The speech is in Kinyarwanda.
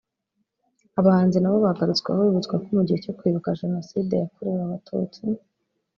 Abahanzi nabo bagarutsweho bibutswa ko mu gihe cyo kwibuka Jenoside yakorewe Abatutsi